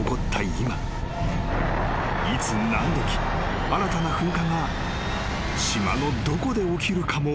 今いつ何時新たな噴火が島のどこで起きるかも分からない］